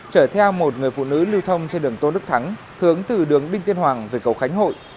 chở theo một người phụ nữ lưu thông trên đường tôn đức thắng hướng từ đường đinh tiên hoàng về cầu khánh hội